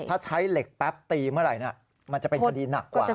ถ้าใช้เหล็กแป๊บตีเมื่อไหร่มันจะเป็นคดีหนักกว่า